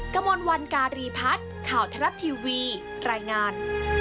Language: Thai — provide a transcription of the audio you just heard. กระมวลวันการีพัฒน์ข่าวทรัฐทีวีรายงาน